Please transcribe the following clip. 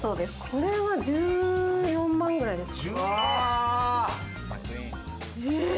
これは１４万ぐらいです。